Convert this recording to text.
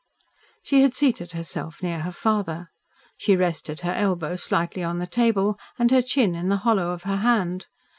She had seated herself near her father. She rested her elbow slightly on the table and her chin in the hollow of her hand.